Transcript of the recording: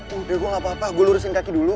udah gue gapapa gue lurusin kaki dulu